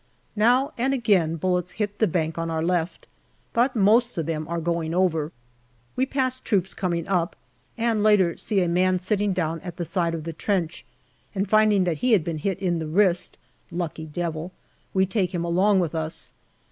Now and again bullets hit the bank on our left, but most of them are going over. We pass troops coming up, and later see a man sitting down at the side of the trench, and finding JUNE 155 that he had been hit in the wrist (lucky devil!), we take him along with us.